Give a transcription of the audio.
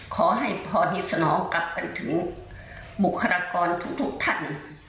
ขอให้พอเหตุสนองกลับกันถึงบุคลากรทุกท่าน